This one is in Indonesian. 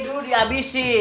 ini dulu di abisin